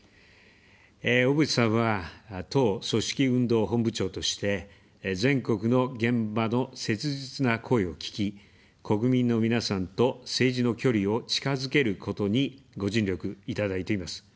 小渕さんは、党組織運動本部長として、全国の現場の切実な声を聞き、国民の皆さんと政治の距離を近づけることにご尽力いただいています。